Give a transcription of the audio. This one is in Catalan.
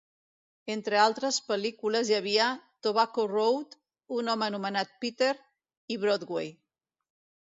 Entre altres pel·lícules hi havia "Tobacco Road", "Un home anomenat Peter", i "Broadway".